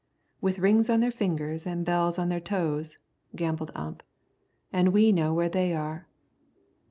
"With rings on their fingers, an' bells on their toes," gabbled Ump; "an' we know where they are."